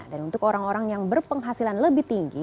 dan untuk orang orang yang berpenghasilan lebih tinggi